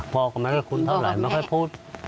พ่อก็ไม่ได้คุ้นเท่าไรไม่ค่อยพูด